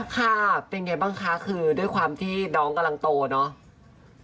ค่ะเป็นไงบ้างคะคือด้วยความที่น้องกำลังโตเนอะ